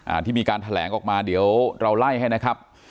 ที่มีการแถลงออกมาเดี๋ยวเราไล่ให้นะครับ